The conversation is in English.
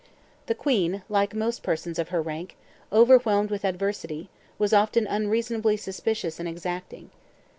The Queen, like most persons of her rank, overwhelmed with adversity, was often unreasonably suspicious and exacting.